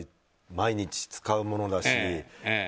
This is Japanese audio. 毎日、使うものだし。